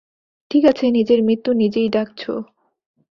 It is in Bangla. ঠিকাছে নিজের মৃত্যু নিজেই ডাকছো!